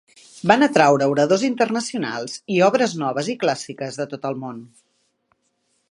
Van atraure oradors internacionals i obres noves i clàssiques de tot el món.